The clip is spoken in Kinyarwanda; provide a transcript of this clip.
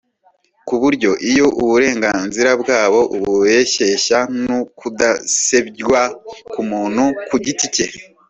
ku buryo iyo uburenganzira bwabo “ubureshyeshya n’ukudasebywa k’umuntu ku giti cye